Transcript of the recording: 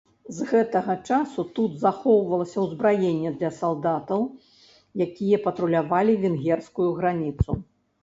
З гэтага часу тут захоўвалася ўзбраенне для салдатаў, якія патрулявалі венгерскую граніцу.